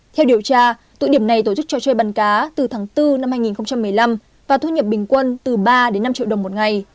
theo điều tra tụi điểm này tổ chức trò chơi bắn cá từ tháng bốn năm hai nghìn một mươi năm và thu nhập bình quân từ ba đến năm triệu đồng một ngày